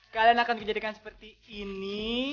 kalian akan dijadikan seperti ini